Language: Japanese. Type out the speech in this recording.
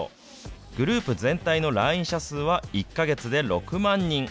グループ全体の来院者数は１か月で６万人。